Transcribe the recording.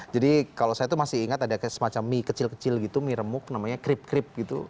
kalau saya tuh masih ingat ada semacam mie kecil kecil gitu mie remuk namanya krip krip gitu